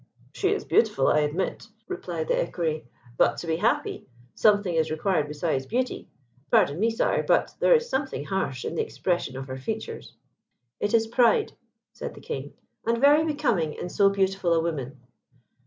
"She is beautiful, I admit," replied the Equerry. "But to be happy, something is required besides beauty. Pardon me, sire, but there is something harsh in the expression of her features." "It is pride," said the King, "and very becoming in so beautiful a woman."